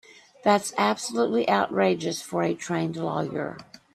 That's absolutely outrageous for a trained lawyer.